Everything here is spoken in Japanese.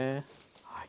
はい。